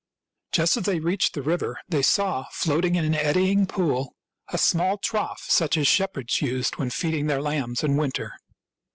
Just as they reached the fiver they saw, floating in an eddying pool, a small trough, such as shepherds used when feeding their lambs in winter.